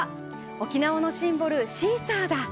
沖縄のシンボル、シーサーだ。